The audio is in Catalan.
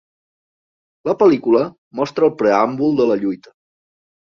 La pel·lícula mostra el preàmbul de la lluita.